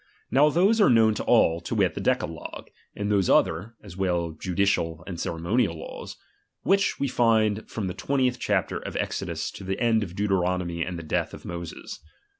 Now I those are known to all, to wit, the decalogue, and those other, as well judicial as ceremonial laws, which we fiud from the twentieth chapter of Exo dus to the end of Deuteronomy and the death of Moses.